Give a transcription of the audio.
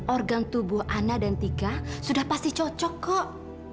organ tubuh ana dan tika sudah pasti cocok kok